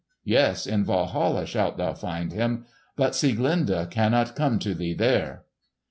—Yes, in Walhalla shalt thou find him. But Sieglinde cannot come to thee there."